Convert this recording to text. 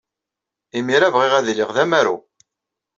Imir-a, bɣiɣ ad iliɣ d amaru.